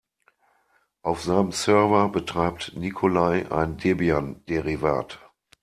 Auf seinem Server betreibt Nikolai ein Debian-Derivat.